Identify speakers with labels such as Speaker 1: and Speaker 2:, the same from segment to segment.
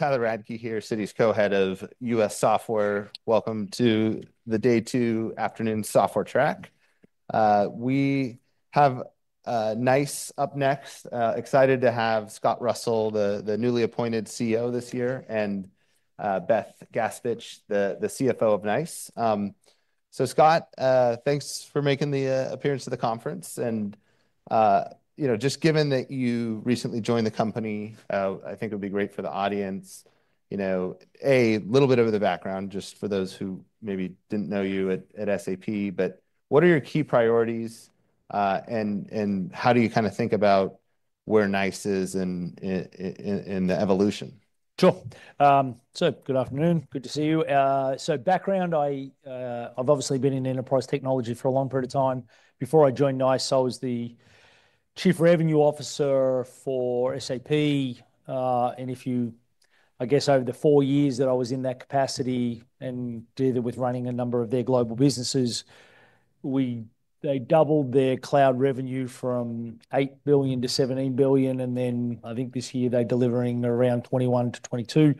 Speaker 1: Tyler Radke here, Citi's Co-Head of US Software. Welcome to the day two afternoon software track. We have NICE up next. Excited to have Scott Russell, the newly appointed CEO this year, and Beth Gaspich, the CFO of NICE. Scott, thanks for making the appearance to the conference. Given that you recently joined the company, I think it would be great for the audience, a little bit of the background just for those who maybe didn't know you at SAP. What are your key priorities, and how do you kind of think about where NICE is in the evolution?
Speaker 2: Sure. Good afternoon. Good to see you. Background, I've obviously been in enterprise technology for a long period of time. Before I joined NICE, I was the Chief Revenue Officer for SAP. If you look over the four years that I was in that capacity and dealing with running a number of their global businesses, they doubled their cloud revenue from $8 billion- $17 billion. I think this year they're delivering around $21billion- $22 billion.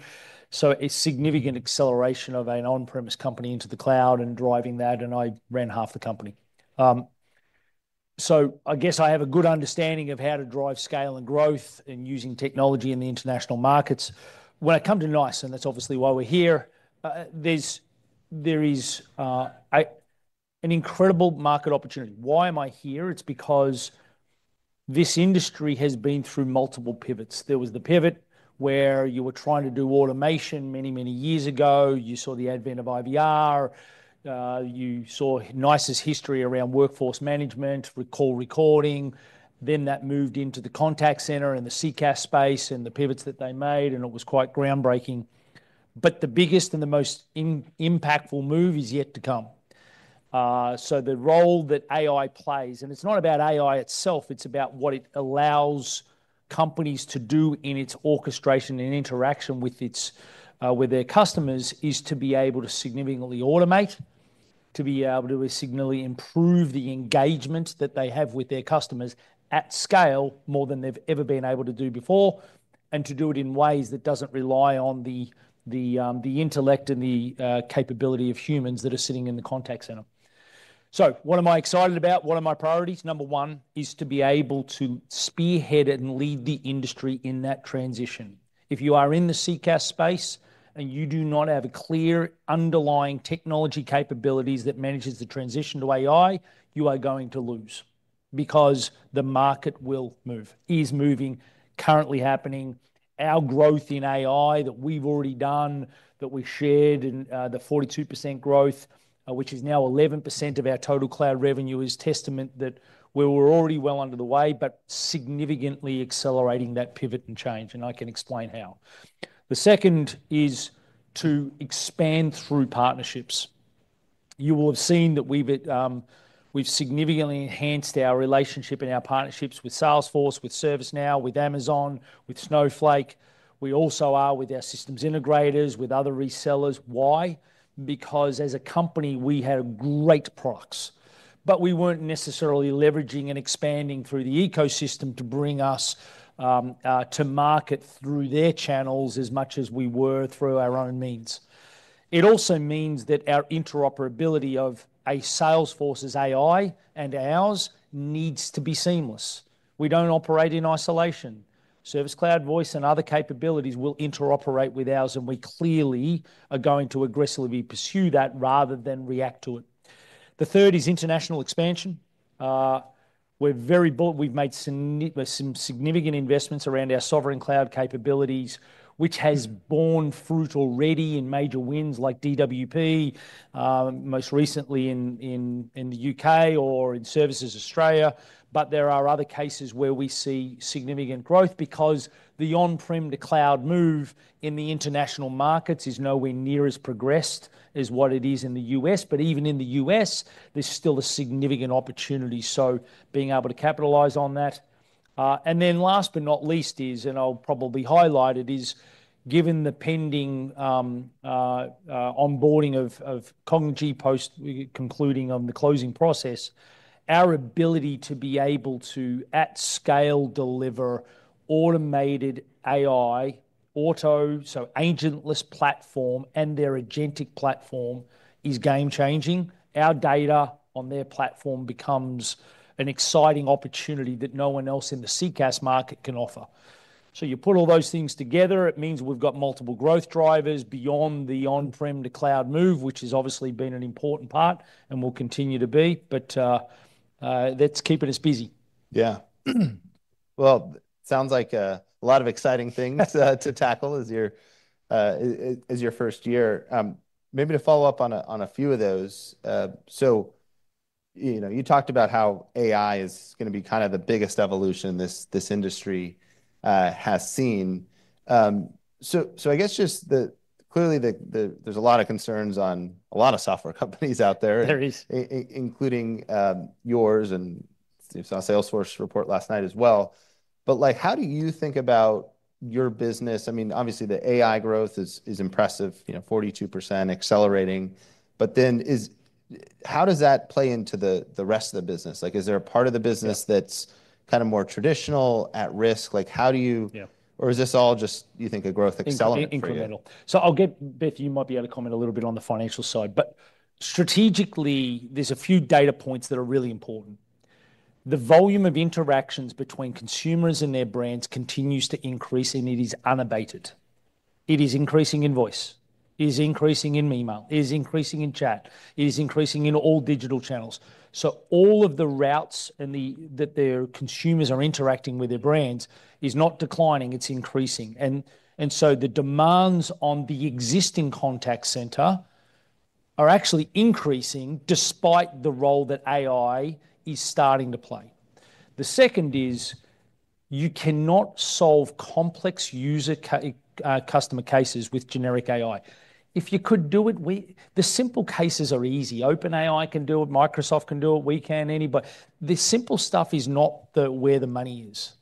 Speaker 2: A significant acceleration of an on-premise company into the cloud, and driving that. I ran half the company, so I guess I have a good understanding of how to drive scale and growth and using technology in the international markets. When I come to NICE, and that's obviously why we're here, there is an incredible market opportunity. Why am I here? It's because this industry has been through multiple pivots. There was the pivot where you were trying to do automation many, many years ago. You saw the advent of IVR. You saw NICE's history around workforce management with call recording. Then that moved into the contact center and the CCaaS space and the pivots that they made, and it was quite groundbreaking. The biggest and the most impactful move is yet to come. The role that AI plays, and it's not about AI itself, it's about what it allows companies to do in its orchestration and interaction with their customers, is to be able to significantly automate, to be able to significantly improve the engagement that they have with their customers at scale more than they've ever been able to do before, and to do it in ways that don't rely on the intellect and the capability of humans that are sitting in the contact center. What am I excited about? What are my priorities? Number one is to be able to spearhead and lead the industry in that transition. If you are in the CCaaS space and you do not have a clear underlying technology capability that manages the transition to AI, you are going to lose because the market will move, is moving, currently happening. Our growth in AI that we've already done, that we shared, and the 42% growth, which is now 11% of our total cloud revenue, is a testament that we were already well under the way, but significantly accelerating that pivot and change. I can explain how. The second is to expand through partnerships. You will have seen that we've significantly enhanced our relationship and our partnerships with Salesforce, with ServiceNow, with Amazon Web Services, with Snowflake. We also are with our systems integrators, with other resellers. Why? Because as a company, we had a great price, but we weren't necessarily leveraging and expanding through the ecosystem to bring us to market through their channels as much as we were through our own means. It also means that our interoperability of Salesforce's AI and ours needs to be seamless. We don't operate in isolation. Service Cloud Voice and other capabilities will interoperate with ours, and we clearly are going to aggressively pursue that rather than react to it. The third is international expansion. We're very bold. We've made some significant investments around our sovereign cloud capabilities, which has borne fruit already in major wins like Department for Work and Pensions, most recently in the UK or in Services Australia. There are other cases where we see significant growth because the on-prem to cloud move in the international markets is nowhere near as progressed as what it is in the U.S. Even in the U.S., there's still a significant opportunity. Being able to capitalize on that. Last but not least is, and I'll probably highlight it, is given the pending onboarding of Cognigy, post-concluding of the closing process, our ability to be able to at scale deliver automated AI, auto, so agentless platform, and their agentic platform is game-changing. Our data on their platform becomes an exciting opportunity that no one else in the cloud CCaaS market can offer. You put all those things together. It means we've got multiple growth drivers beyond the on-prem to cloud move, which has obviously been an important part and will continue to be. Let's keep it as busy.
Speaker 1: Yeah, it sounds like a lot of exciting things to tackle as your first year. Maybe to follow up on a few of those, you talked about how AI is going to be kind of the biggest evolution this industry has seen. I guess just clearly, there's a lot of concerns on a lot of software companies out there, including yours and Steve's Salesforce report last night as well. How do you think about your business? Obviously, the AI growth is impressive, you know, 42% accelerating. How does that play into the rest of the business? Is there a part of the business that's kind of more traditional at risk? How do you, or is this all just, you think, a growth excellent?
Speaker 2: Incremental. Beth, you might be able to comment a little bit on the financial side. Strategically, there are a few data points that are really important. The volume of interactions between consumers and their brands continues to increase, and it is unabated. It is increasing in voice, increasing in email, increasing in chat, increasing in all digital channels. All of the routes that consumers are interacting with their brands is not declining. It's increasing. The demands on the existing contact center are actually increasing despite the role that AI is starting to play. The second is you cannot solve complex user customer cases with generic AI. If you could do it, the simple cases are easy. OpenAI can do it, Microsoft can do it, we can, anybody. The simple stuff is not where the money is.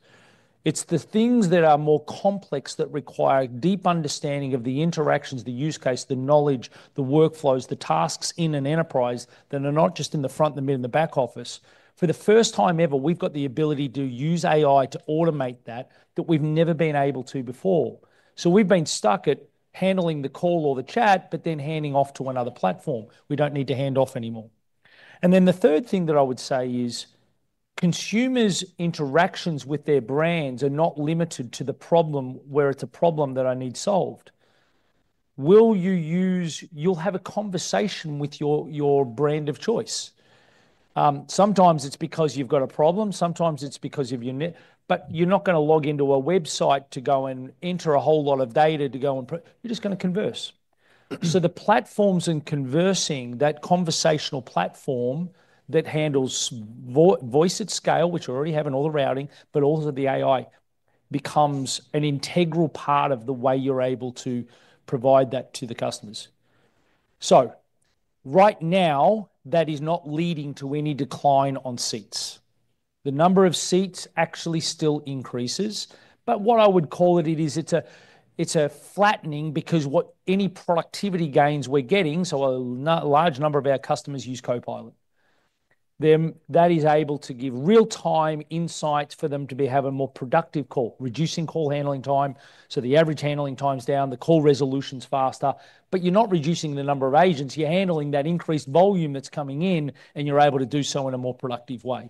Speaker 2: It's the things that are more complex that require deep understanding of the interactions, the use case, the knowledge, the workflows, the tasks in an enterprise that are not just in the front, the mid, and the back office. For the first time ever, we've got the ability to use AI to automate that which we've never been able to before. We've been stuck at handling the call or the chat, but then handing off to another platform. We don't need to hand off anymore. The third thing that I would say is consumers' interactions with their brands are not limited to the problem where it's a problem that I need solved. You will have a conversation with your brand of choice. Sometimes it's because you've got a problem. Sometimes it's because of your net, but you're not going to log into a website to go and enter a whole lot of data to go and you're just going to converse. The platforms and conversing, that conversational platform that handles voice at scale, which you already have in all the routing, but also the AI becomes an integral part of the way you're able to provide that to the customers. Right now, that is not leading to any decline on seats. The number of seats actually still increases. What I would call it, it is a flattening because any productivity gains we're getting, a large number of our customers use Copilot. That is able to give real-time insights for them to be having a more productive call, reducing call handling time. The average handling time's down, the call resolution's faster, but you're not reducing the number of agents. You're handling that increased volume that's coming in, and you're able to do so in a more productive way.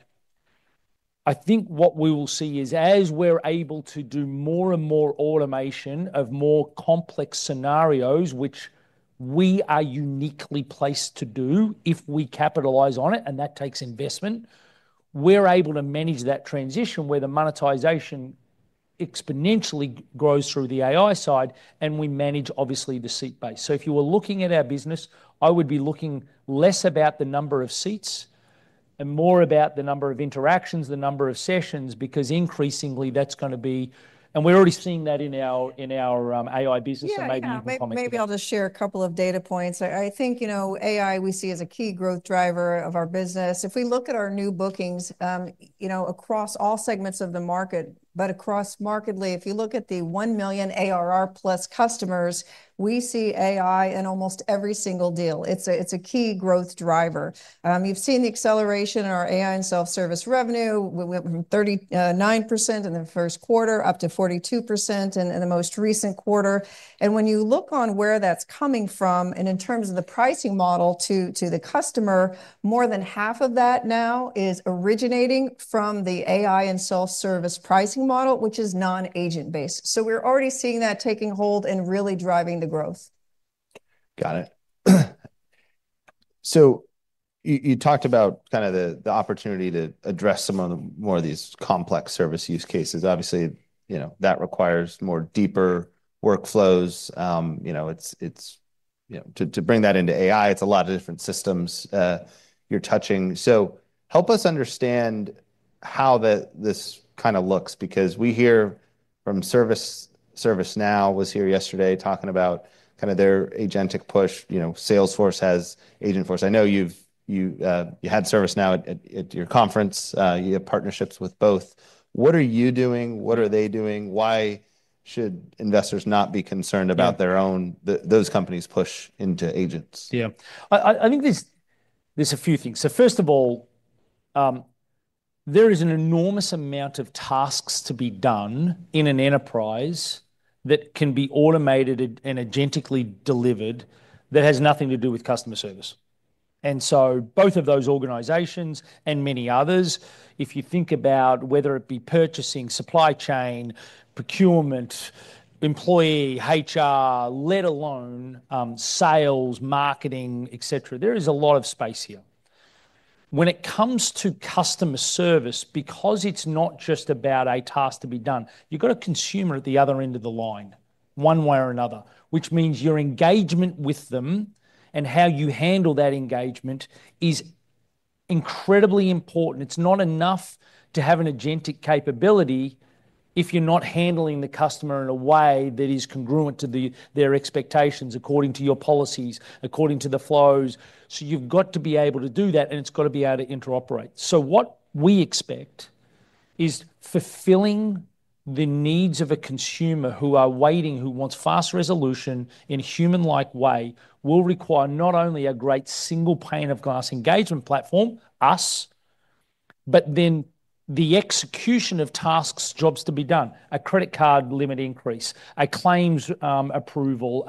Speaker 2: I think what we will see is as we're able to do more and more automation of more complex scenarios, which we are uniquely placed to do if we capitalize on it, and that takes investment, we're able to manage that transition where the monetization exponentially grows through the AI side, and we manage obviously the seat base. If you were looking at our business, I would be looking less about the number of seats and more about the number of interactions, the number of sessions, because increasingly that's going to be, and we're already seeing that in our AI business.
Speaker 3: Maybe I'll just share a couple of data points. I think AI we see as a key growth driver of our business. If we look at our new bookings, you know, across all segments of the market, but across markedly, if you look at the $1 million ARR plus customers, we see AI in almost every single deal. It's a key growth driver. You've seen the acceleration in our AI and self-service revenue from 39% in the Q1 to 42% in the most recent quarter. When you look on where that's coming from, and in terms of the pricing model to the customer, more than half of that now is originating from the AI and self-service pricing model, which is non-agent based. We're already seeing that taking hold and really driving the growth.
Speaker 1: Got it. You talked about kind of the opportunity to address some of the more of these complex service use cases. Obviously, you know, that requires more deeper workflows. You know, it's, you know, to bring that into AI, it's a lot of different systems you're touching. Help us understand how this kind of looks because we hear from ServiceNow was here yesterday talking about kind of their agentic push. Salesforce has agent force. I know you've had ServiceNow at your conference. You have partnerships with both. What are you doing? What are they doing? Why should investors not be concerned about those companies' push into agents?
Speaker 2: I think there's a few things. First of all, there is an enormous amount of tasks to be done in an enterprise that can be automated and agentically delivered that has nothing to do with customer service. Both of those organizations and many others, if you think about whether it be purchasing, supply chain, procurement, employee, HR, let alone sales, marketing, et cetera, there is a lot of space here. When it comes to customer service, because it's not just about a task to be done, you've got a consumer at the other end of the line one way or another, which means your engagement with them and how you handle that engagement is incredibly important. It's not enough to have an agentic capability if you're not handling the customer in a way that is congruent to their expectations, according to your policies, according to the flows. You've got to be able to do that, and it's got to be able to interoperate. What we expect is fulfilling the needs of a consumer who are waiting, who wants fast resolution in a human-like way will require not only a great single pane of glass engagement platform, us, but then the execution of tasks, jobs to be done, a credit card limit increase, a claims approval,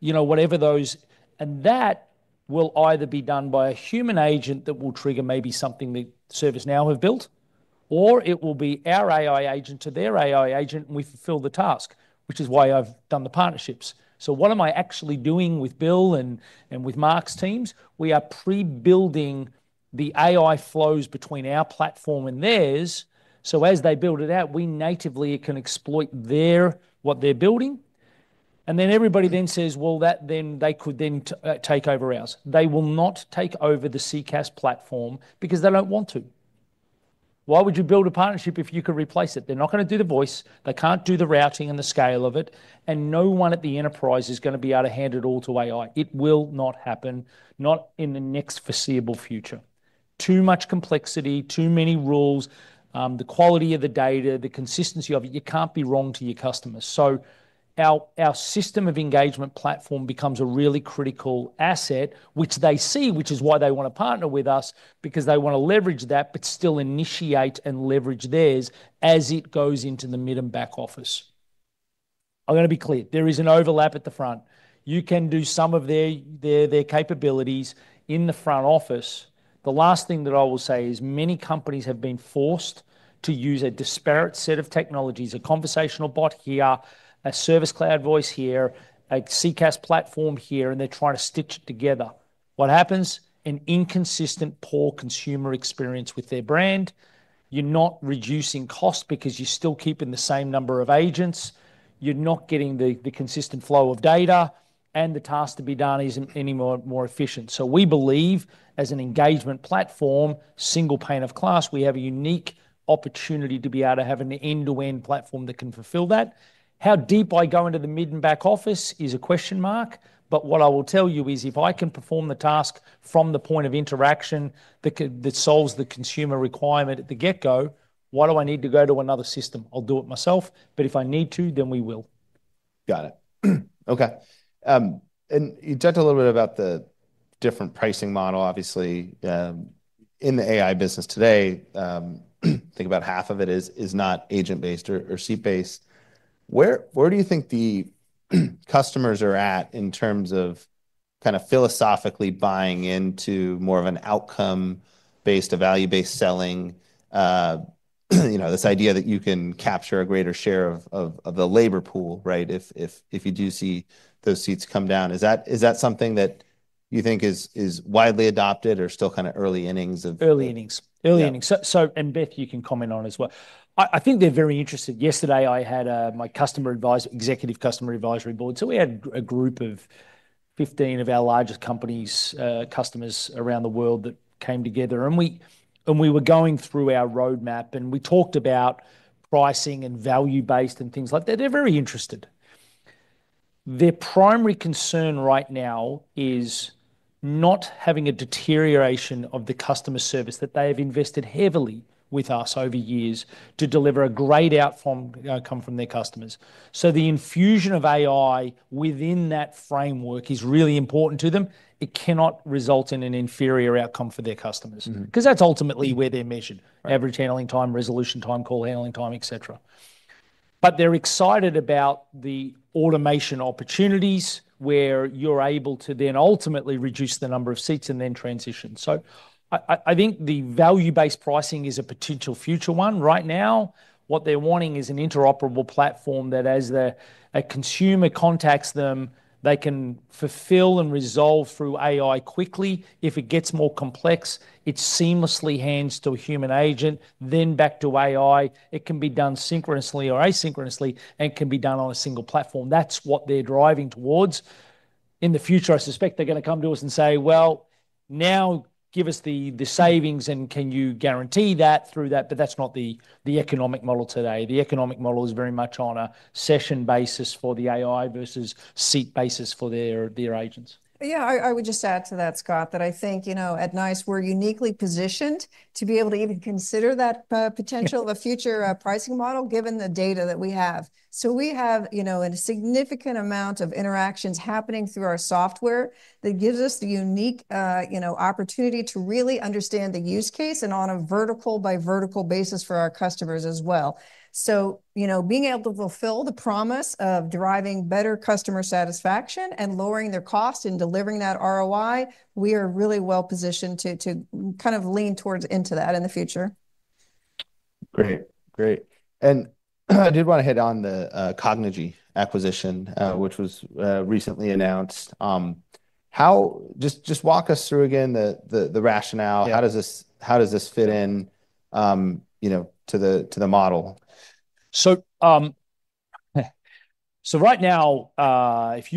Speaker 2: whatever those, and that will either be done by a human agent that will trigger maybe something that ServiceNow have built, or it will be our AI agent to their AI agent, and we fulfill the task, which is why I've done the partnerships. What am I actually doing with Bill and with Mark's teams? We are pre-building the AI flows between our platform and theirs. As they build it out, we natively can exploit what they're building. Everybody then says, well, that then they could then take over ours. They will not take over the CCaaS platform because they don't want to. Why would you build a partnership if you could replace it? They're not going to do the voice. They can't do the routing and the scale of it. No one at the enterprise is going to be able to hand it all to AI. It will not happen, not in the next foreseeable future. Too much complexity, too many rules, the quality of the data, the consistency of it, you can't be wrong to your customers. Our system of engagement platform becomes a really critical asset, which they see, which is why they want to partner with us because they want to leverage that, but still initiate and leverage theirs as it goes into the mid and back office. I'm going to be clear. There is an overlap at the front. You can do some of their capabilities in the front office. The last thing that I will say is many companies have been forced to use a disparate set of technologies, a conversational bot here, a Service Cloud Voice here, a CCaaS platform here, and they're trying to stitch it together. What happens? An inconsistent, poor consumer experience with their brand. You're not reducing costs because you're still keeping the same number of agents. You're not getting the consistent flow of data, and the task to be done isn't any more efficient. We believe as an engagement platform, single pane of glass, we have a unique opportunity to be able to have an end-to-end platform that can fulfill that. How deep I go into the mid and back office is a question mark. What I will tell you is if I can perform the task from the point of interaction that solves the consumer requirement at the get-go, why do I need to go to another system? I'll do it myself. If I need to, then we will.
Speaker 1: Got it. Okay. You talked a little bit about the different pricing model, obviously, in the AI business today. I think about half of it is not agent-based or seat-based. Where do you think the customers are at in terms of kind of philosophically buying into more of an outcome-based, a value-based selling? You know, this idea that you can capture a greater share of the labor pool, right? If you do see those seats come down, is that something that you think is widely adopted or still kind of early innings?
Speaker 2: Early innings. Beth, you can comment on as well. I think they're very interested. Yesterday, I had my customer executive customer advisory board. We had a group of 15 of our largest companies, customers around the world that came together. We were going through our roadmap and we talked about pricing and value-based and things like that. They're very interested. Their primary concern right now is not having a deterioration of the customer service that they have invested heavily with us over years to deliver a great outcome for their customers. The infusion of AI within that framework is really important to them. It cannot result in an inferior outcome for their customers because that's ultimately where they're measured: average handling time, resolution time, call handling time, etc. They're excited about the automation opportunities where you're able to then ultimately reduce the number of seats and then transition. I think the value-based pricing is a potential future one. Right now, what they're wanting is an interoperable platform that as a consumer contacts them, they can fulfill and resolve through AI quickly. If it gets more complex, it seamlessly hands to a human agent, then back to AI. It can be done synchronously or asynchronously, and it can be done on a single platform. That's what they're driving towards. In the future, I suspect they're going to come to us and say, now give us the savings, and can you guarantee that through that? That's not the economic model today. The economic model is very much on a session basis for the AI versus seat basis for their agents.
Speaker 3: Yeah, I would just add to that, Scott, that I think, you know, at NICE, we're uniquely positioned to be able to even consider that potential of a future pricing model given the data that we have. We have a significant amount of interactions happening through our software that gives us the unique opportunity to really understand the use case and on a vertical by vertical basis for our customers as well. Being able to fulfill the promise of driving better customer satisfaction and lowering their cost and delivering that ROI, we are really well positioned to kind of lean towards into that in the future.
Speaker 1: Great, great. I did want to hit on the Cognigy acquisition, which was recently announced. Just walk us through again the rationale. How does this fit in, you know, to the model?
Speaker 2: Right now, if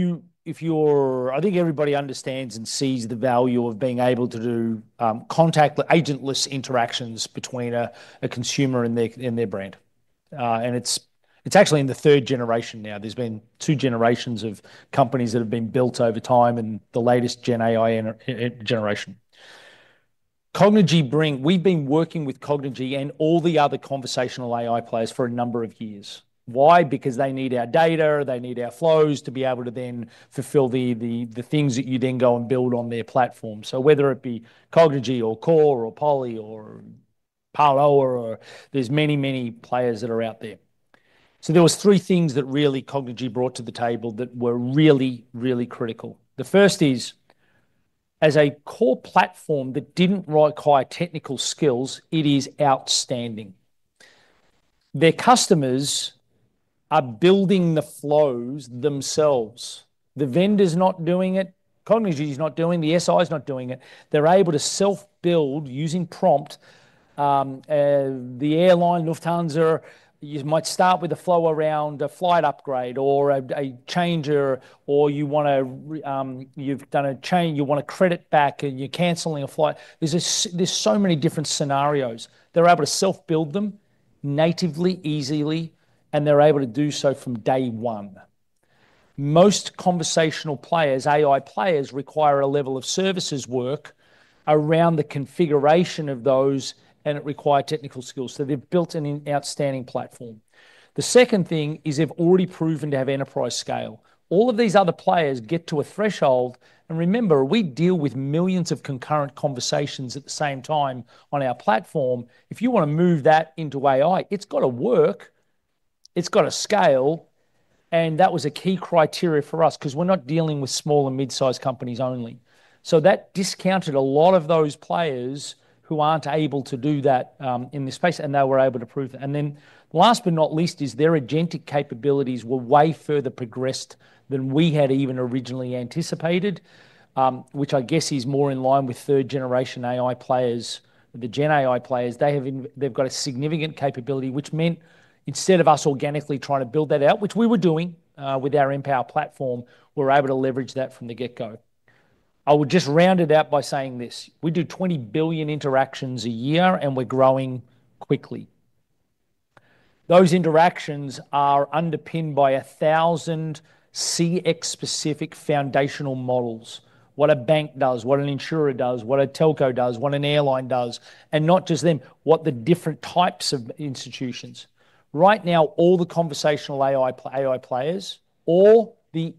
Speaker 2: you're, I think everybody understands and sees the value of being able to do contact agentless interactions between a consumer and their brand. It's actually in the third generation now. There have been two generations of companies that have been built over time and the latest Gen AI generation. Cognigy, we've been working with Cognigy and all the other conversational AI players for a number of years. Why? Because they need our data, they need our flows to be able to then fulfill the things that you then go and build on their platform. Whether it be Cognigy or Core or PolyAI or Parloa, there are many, many players that are out there. There were three things that really Cognigy brought to the table that were really critical. The first is, as a core platform that didn't require technical skills, it is outstanding. Their customers are building the flows themselves. The vendor's not doing it. Cognigy is not doing it. The SI is not doing it. They're able to self-build using prompt. The airline, Lufthansa, you might start with a flow around a flight upgrade or a change, or you've done a change, you want to credit back and you're canceling a flight. There are so many different scenarios. They're able to self-build them natively, easily, and they're able to do so from day one. Most conversational AI players require a level of AI services work around the configuration of those, and it requires technical skills. They've built an outstanding platform. The second thing is they've already proven to have enterprise scale. All of these other players get to a threshold, and remember, we deal with millions of concurrent conversations at the same time on our platform. If you want to move that into AI, it's got to work. It's got to scale. That was a key criteria for us because we're not dealing with small and mid-sized companies only. That discounted a lot of those players who aren't able to do that in this space, and they were able to prove it. Last but not least is their agentic capabilities were way further progressed than we had even originally anticipated, which I guess is more in line with third-generation AI players, the Gen AI players. They've got a significant capability, which meant instead of us organically trying to build that out, which we were doing with our Mpower platform, we're able to leverage that from the get-go. I will just round it out by saying this. We do 20 billion interactions a year, and we're growing quickly. Those interactions are underpinned by 1,000 CX-specific foundational models. What a bank does, what an insurer does, what a telco does, what an airline does, and not just them, what the different types of institutions. Right now, all the conversational AI players, all the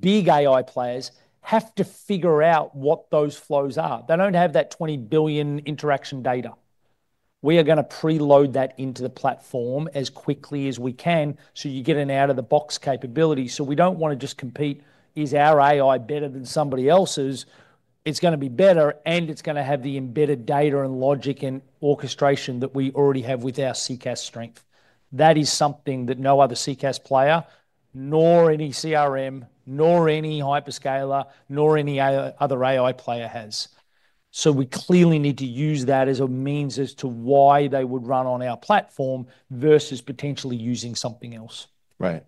Speaker 2: big AI players, have to figure out what those flows are. They don't have that 20 billion interaction data. We are going to preload that into the platform as quickly as we can. You get an out-of-the-box capability. We don't want to just compete, is our AI better than somebody else's? It's going to be better, and it's going to have the embedded data and logic and orchestration that we already have with our cloud CCaaS strength. That is something that no other cloud CCaaS player, nor any CRM, nor any hyperscaler, nor any other AI player has. We clearly need to use that as a means as to why they would run on our platform versus potentially using something else.
Speaker 1: Right.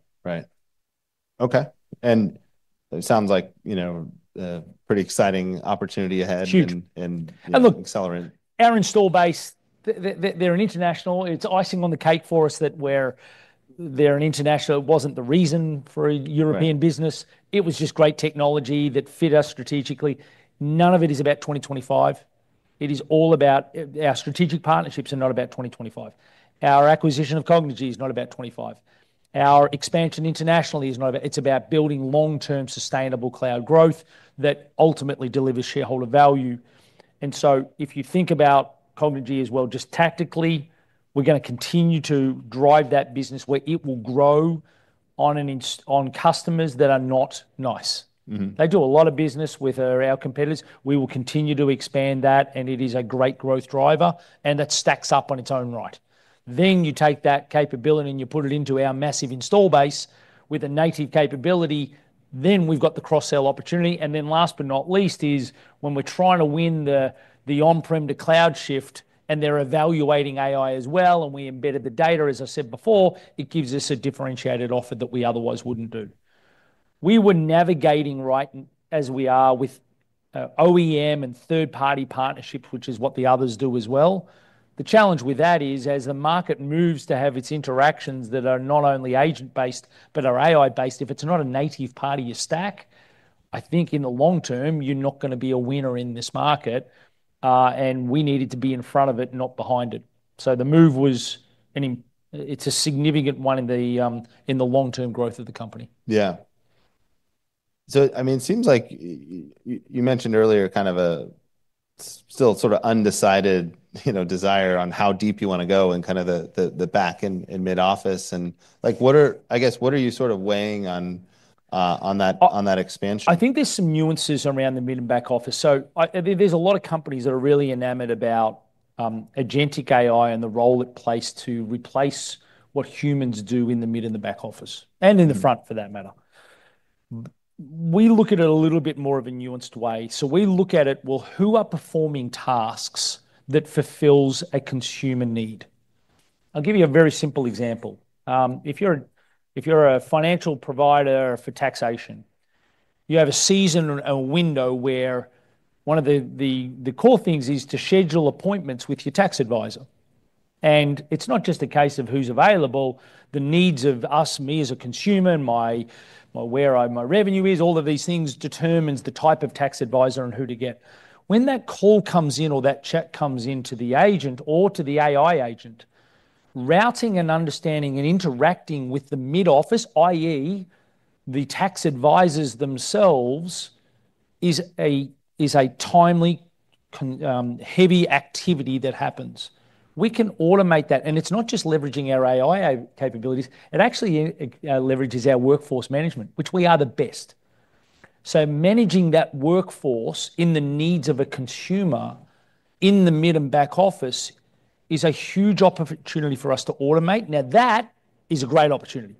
Speaker 1: Okay. It sounds like, you know, a pretty exciting opportunity ahead and accelerating.
Speaker 2: Our install base, they're an international. It's icing on the cake for us that where they're an international, it wasn't the reason for a European business. It was just great technology that fit us strategically. None of it is about 2025. It is all about our strategic partnerships are not about 2025. Our acquisition of Cognigy is not about 2025. Our expansion internationally is not about it's about building long-term sustainable cloud growth that ultimately delivers shareholder value. If you think about Cognigy as well, just tactically, we're going to continue to drive that business where it will grow on customers that are not NICE. They do a lot of business with our competitors. We will continue to expand that, and it is a great growth driver, and that stacks up on its own right. You take that capability and you put it into our massive install base with a native capability. Then we've got the cross-sell opportunity. Last but not least is when we're trying to win the on-prem to cloud shift and they're evaluating AI as well, and we embedded the data, as I said before, it gives us a differentiated offer that we otherwise wouldn't do. We were navigating right as we are with OEM and third-party partnerships, which is what the others do as well. The challenge with that is as the market moves to have its interactions that are not only agent-based but are AI-based, if it's not a native part of your stack, I think in the long term, you're not going to be a winner in this market. We needed to be in front of it, not behind it. The move was, and it's a significant one in the long-term growth of the company.
Speaker 1: Yeah. It seems like you mentioned earlier kind of a still sort of undecided desire on how deep you want to go in the back and mid-office. What are you sort of weighing on that expansion?
Speaker 2: I think there's some nuances around the mid and back office. There's a lot of companies that are really enamored about agentic AI and the role it plays to replace what humans do in the mid and the back office and in the front for that matter. We look at it a little bit more of a nuanced way. We look at it, who are performing tasks that fulfill a consumer need? I'll give you a very simple example. If you're a financial provider for taxation, you have a season and a window where one of the core things is to schedule appointments with your tax advisor. It's not just a case of who's available. The needs of us, me as a consumer, where my revenue is, all of these things determine the type of tax advisor and who to get. When that call comes in or that chat comes in to the agent or to the AI agent, routing and understanding and interacting with the mid-office, i.e., the tax advisors themselves, is a timely, heavy activity that happens. We can automate that. It's not just leveraging our AI capabilities. It actually leverages our workforce management, which we are the best. Managing that workforce in the needs of a consumer in the mid and back office is a huge opportunity for us to automate. That is a great opportunity.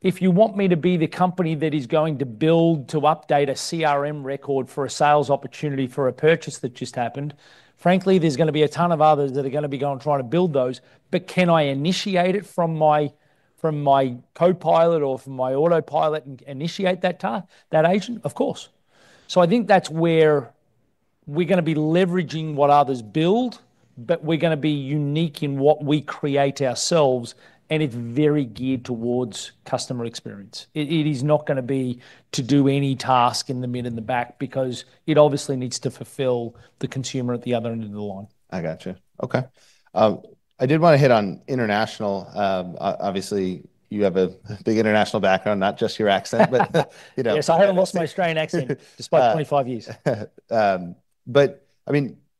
Speaker 2: If you want me to be the company that is going to build to update a CRM record for a sales opportunity for a purchase that just happened, frankly, there's going to be a ton of others that are going to try to build those. Can I initiate it from my Copilot or from my autopilot and initiate that task that agent? Of course. I think that's where we're going to be leveraging what others build, but we're going to be unique in what we create ourselves. It's very geared towards customer experience. It is not going to be to do any task in the mid and the back because it obviously needs to fulfill the consumer at the other end of the line.
Speaker 1: I got you. Okay. I did want to hit on international. Obviously, you have a big international background, not just your accent, but you know.
Speaker 2: Yes, I haven't lost my Australian accent despite 25 years.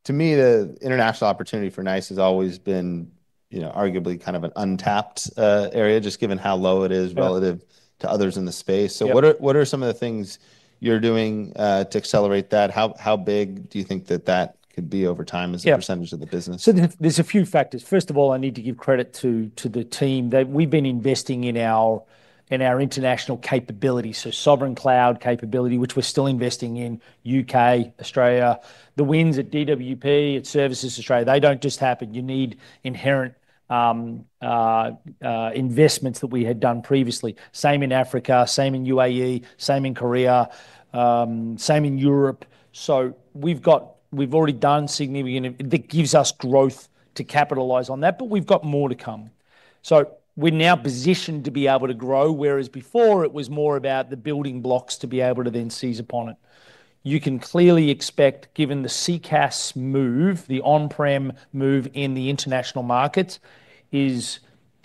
Speaker 1: To me, the international opportunity for NICE has always been, you know, arguably kind of an untapped area, just given how low it is relative to others in the space. What are some of the things you're doing to accelerate that? How big do you think that could be over time as a percentage of the business?
Speaker 2: There are a few factors. First of all, I need to give credit to the team that we've been investing in our international capability. Sovereign cloud capability, which we're still investing in UK, Australia, the wins at Department for Work and Pensions, at Services Australia, they don't just happen. You need inherent investments that we had done previously. Same in Africa, same in UAE, same in Korea, same in Europe. We've already done significant work that gives us growth to capitalize on that, but we've got more to come. We're now positioned to be able to grow, whereas before it was more about the building blocks to be able to then seize upon it. You can clearly expect, given the Contact Center as a Service move, the on-prem move in the international markets, is,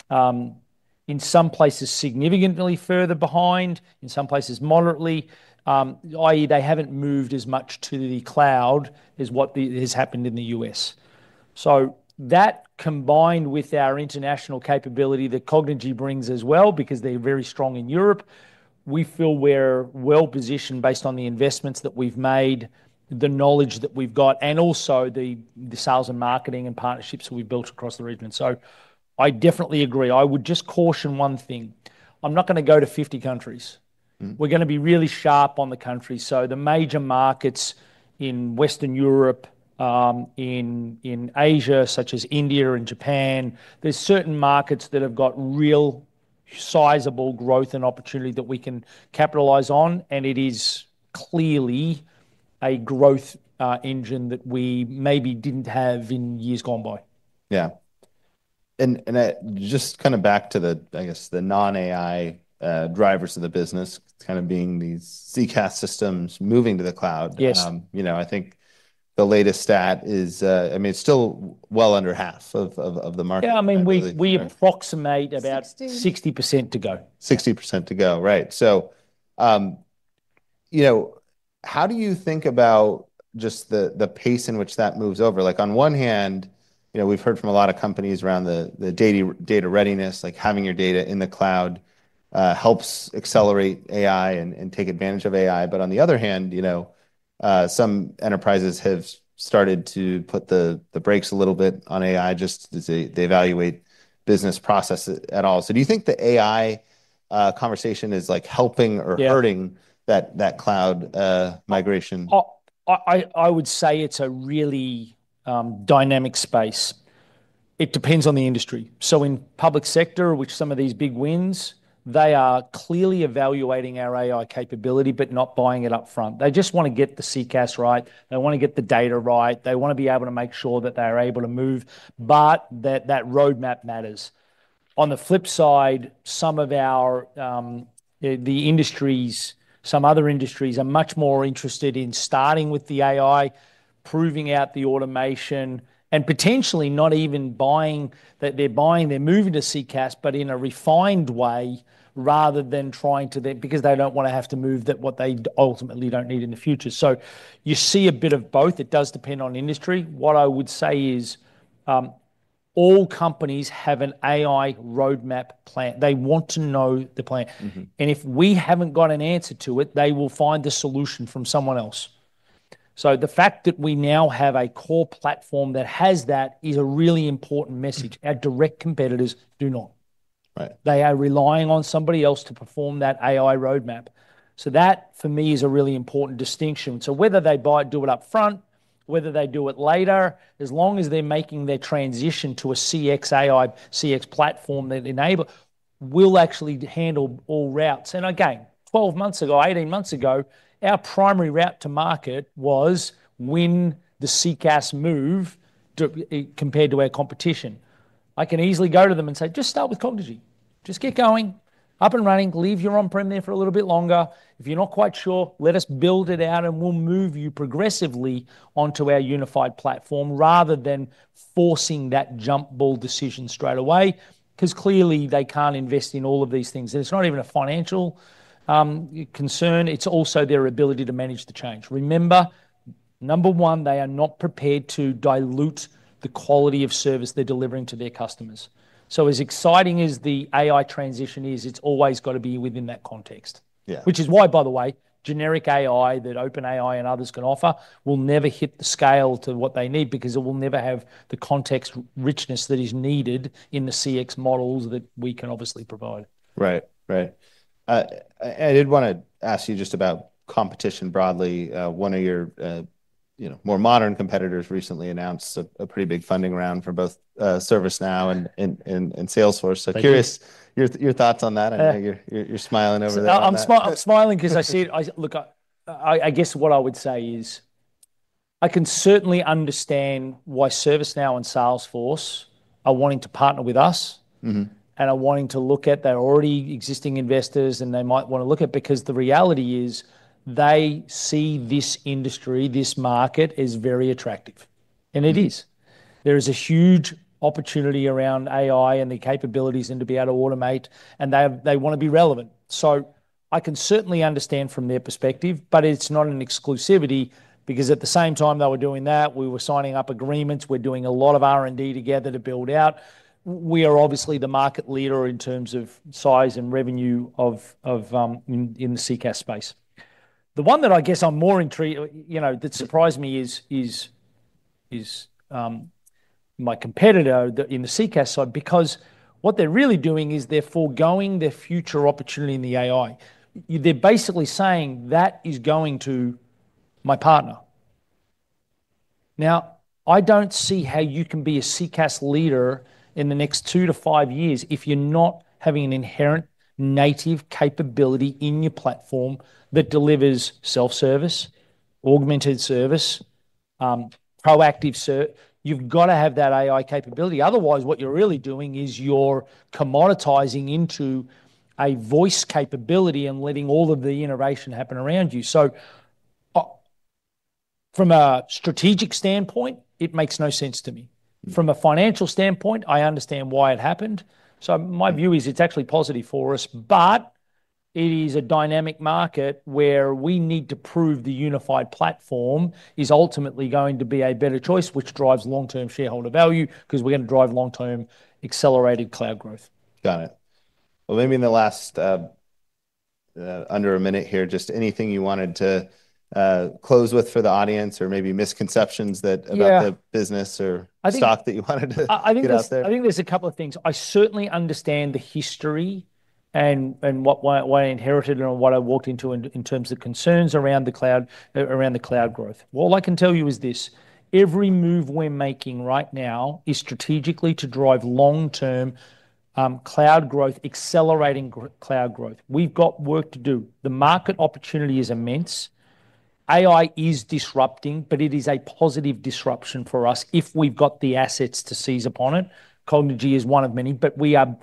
Speaker 2: in some places significantly further behind, in some places moderately, i.e., they haven't moved as much to the cloud as what has happened in the U.S. That combined with our international capability that Cognigy brings as well, because they're very strong in Europe, we feel we're well positioned based on the investments that we've made, the knowledge that we've got, and also the sales and marketing and partnerships that we've built across the region. I definitely agree. I would just caution one thing. I'm not going to go to 50 countries. We're going to be really sharp on the countries. The major markets in Western Europe, in Asia, such as India and Japan, there's certain markets that have got real sizable growth and opportunity that we can capitalize on. It is clearly a growth engine that we maybe didn't have in years gone by.
Speaker 1: Yeah, just kind of back to the, I guess, the non-AI drivers of the business, kind of being these CCaaS systems moving to the cloud. I think the latest stat is, I mean, it's still well under half of the market.
Speaker 2: Yeah, I mean, we approximate about 60% to go.
Speaker 1: 60% to go, right. How do you think about just the pace in which that moves over? On one hand, we've heard from a lot of companies around the data readiness, like having your data in the cloud helps accelerate AI and take advantage of AI. On the other hand, some enterprises have started to put the brakes a little bit on AI just to evaluate business process at all. Do you think the AI conversation is helping or hurting that cloud migration?
Speaker 2: I would say it's a really dynamic space. It depends on the industry. In the public sector, with some of these big wins, they are clearly evaluating our AI capability, but not buying it up front. They just want to get the CCaaS right. They want to get the data right. They want to be able to make sure that they're able to move, but that roadmap matters. On the flip side, some other industries are much more interested in starting with the AI, proving out the automation, and potentially not even buying that they're moving to CCaaS, but in a refined way rather than trying to, because they don't want to have to move what they ultimately don't need in the future. You see a bit of both. It does depend on industry. What I would say is, all companies have an AI roadmap plan. They want to know the plan. If we haven't got an answer to it, they will find the solution from someone else. The fact that we now have a core platform that has that is a really important message. Our direct competitors do not. They are relying on somebody else to perform that AI roadmap. That for me is a really important distinction. Whether they buy it up front or whether they do it later, as long as they're making their transition to a CX AI, CX platform that enables and will actually handle all routes. Again, 12 months or 18 months ago, our primary route to market was win the CCaaS move compared to our competition. I can easily go to them and say, just start with Cognigy. Just get going, up and running, leave your on-prem there for a little bit longer. If you're not quite sure, let us build it out and we'll move you progressively onto our unified platform rather than forcing that jump ball decision straight away because clearly they can't invest in all of these things. It's not even a financial concern. It's also their ability to manage the change. Remember, number one, they are not prepared to dilute the quality of service they're delivering to their customers. As exciting as the AI transition is, it's always got to be within that context. Which is why, by the way, generic AI that OpenAI and others can offer will never hit the scale to what they need because it will never have the context richness that is needed in the CX models that we can obviously provide.
Speaker 1: Right, right. I did want to ask you just about competition broadly. One of your, you know, more modern competitors recently announced a pretty big funding round for both ServiceNow and Salesforce. Curious your thoughts on that. I know you're smiling over this.
Speaker 2: I'm smiling because I see it. Look, I guess what I would say is I can certainly understand why ServiceNow and Salesforce are wanting to partner with us. I'm wanting to look at their already existing investors, and they might want to look at it because the reality is they see this industry, this market is very attractive. It is. There is a huge opportunity around AI and the capabilities and to be able to automate, and they want to be relevant. I can certainly understand from their perspective, but it's not an exclusivity because at the same time they were doing that, we were signing up agreements. We're doing a lot of R&D together to build out. We are obviously the market leader in terms of size and revenue in the CCaaS space. The one that I guess I'm more intrigued, you know, that surprised me is my competitor in the CCaaS side because what they're really doing is they're foregoing their future opportunity in the AI. They're basically saying that is going to my partner. Now, I don't see how you can be a CCaaS leader in the next two to five years if you're not having an inherent native capability in your platform that delivers self-service, augmented service, proactive service. You've got to have that AI capability. Otherwise, what you're really doing is you're commoditizing into a voice capability and letting all of the iteration happen around you. From a strategic standpoint, it makes no sense to me. From a financial standpoint, I understand why it happened. My view is it's actually positive for us, but it is a dynamic market where we need to prove the unified platform is ultimately going to be a better choice, which drives long-term shareholder value because we're going to drive long-term accelerated cloud growth.
Speaker 1: Got it. Maybe in the last, under a minute here, just anything you wanted to close with for the audience or maybe misconceptions about the business or stock that you wanted to discuss there.
Speaker 2: I think there's a couple of things. I certainly understand the history and what I inherited and what I walked into in terms of concerns around the cloud, around the cloud growth. All I can tell you is this. Every move we're making right now is strategically to drive long-term cloud growth, accelerating cloud growth. We've got work to do. The market opportunity is immense. AI is disrupting, but it is a positive disruption for us if we've got the assets to seize upon it. Cognigy is one of many, but we are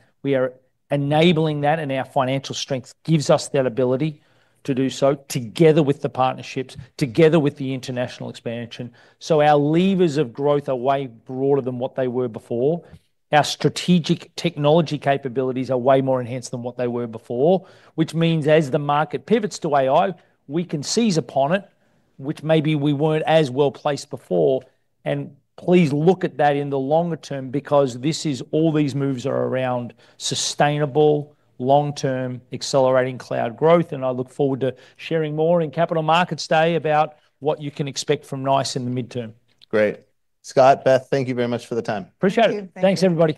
Speaker 2: enabling that, and our financial strength gives us that ability to do so together with the partnerships, together with the international expansion. Our levers of growth are way broader than what they were before. Our strategic technology capabilities are way more enhanced than what they were before, which means as the market pivots to AI, we can seize upon it, which maybe we weren't as well placed before. Please look at that in the longer term because all these moves are around sustainable, long-term accelerating cloud growth. I look forward to sharing more in Capital Markets Day about what you can expect from NICE in the midterm.
Speaker 1: Great. Scott, Beth, thank you very much for the time.
Speaker 2: Appreciate it. Thanks, everybody.